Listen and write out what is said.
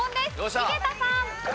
井桁さん。